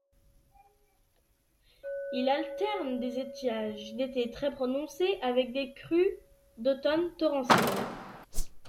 Il alterne des étiages d'été très prononcés avec des crues d'automne torrentielles.